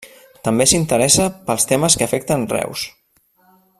També s'interessa pels temes que afecten Reus.